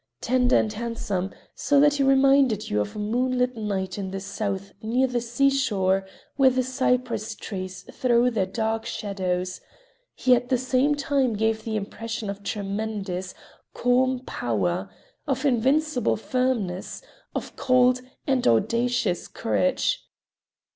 Tender and handsome, so that he reminded you of a moonlit night in the South near the seashore, where the cypress trees throw their dark shadows, he at the same time gave the impression of tremendous, calm power, of invincible firmness, of cold and audacious courage.